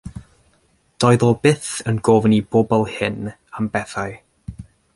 Doedd o byth yn gofyn i bobl hŷn am bethau.